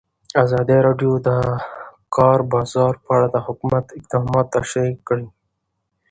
ازادي راډیو د د کار بازار په اړه د حکومت اقدامات تشریح کړي.